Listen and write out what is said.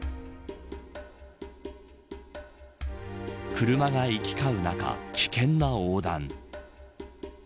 車が行き交う中、危険な横断。